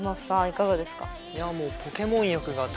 いかがですか？